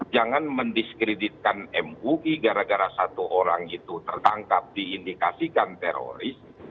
jangan mendiskreditkan mui gara gara satu orang itu tertangkap diindikasikan teroris